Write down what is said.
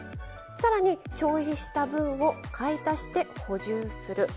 さらに消費した分を買い足して補充する。